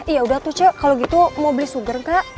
iya udah tuh cak kalau gitu mau beli sugar kak